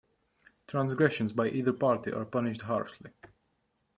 Trangressions by either party are punished harshly.